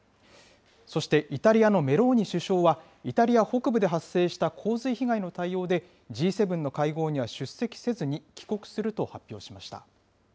そしてイタリアのメローニ首相は、イタリア北部で発生した洪水被害の対応で、Ｇ７の会合には出席せずに帰国すると発表しました。